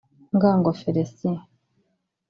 Ngango Felicien